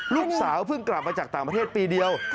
ลูกสาวเพิ่งกลับมาจากต่างประเทศปีเดียว